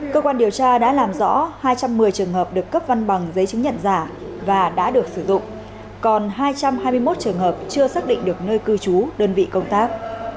cơ quan điều tra đã làm rõ hai trăm một mươi trường hợp được cấp văn bằng giấy chứng nhận giả và đã được sử dụng còn hai trăm hai mươi một trường hợp chưa xác định được nơi cư trú đơn vị công tác